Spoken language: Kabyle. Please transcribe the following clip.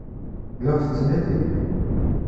La ɣ-tettnadim?